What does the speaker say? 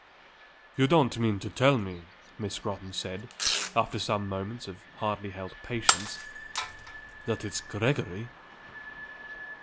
"You don't mean to tell me," Miss Scrotton said, after some moments of hardly held patience, "that it's Gregory?"